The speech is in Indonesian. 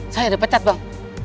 saya dipecat bang